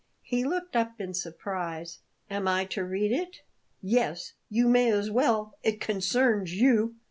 He looked up in surprise. "Am I to read it?" "Yes, you may as well; it concerns you."